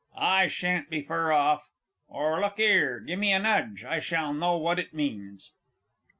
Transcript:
_) I sha'n't be fur off. Or look 'ere, gimme a nudge I shall know what it means.